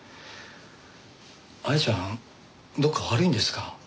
亜矢ちゃんどこか悪いんですか？